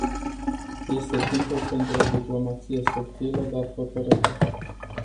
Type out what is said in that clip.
Este timpul pentru o diplomație subtilă, dar hotărâtă.